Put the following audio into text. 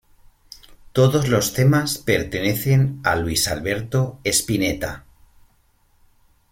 Todos los temas pertenecen a Luis Alberto Spinetta.